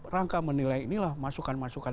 rangka menilai inilah masukan masukan